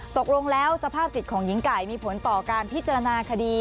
ตกลงแล้วสภาพจิตของหญิงไก่มีผลต่อการพิจารณาคดี